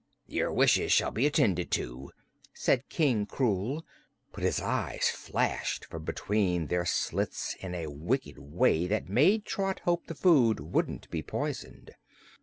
"Your wishes shall be attended to," said King Krewl, but his eyes flashed from between their slits in a wicked way that made Trot hope the food wouldn't be poisoned.